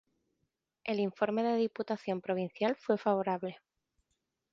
El informe de la Diputación Provincial fue favorable.